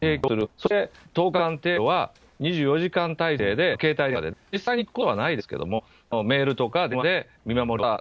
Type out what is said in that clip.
そして、１０日間程度は２４時間態勢で、携帯電話でね、実際に行くことはないですけれども、メールとか電話で見守りをする。